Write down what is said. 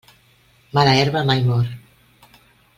Mala herba mai mor.